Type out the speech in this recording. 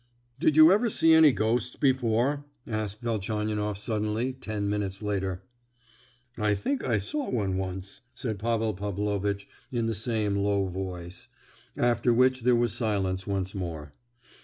"Did you ever see any ghosts before?" asked Velchaninoff suddenly, ten minutes later. "I think I saw one once," said Pavel Pavlovitch in the same low voice; after which there was silence once more.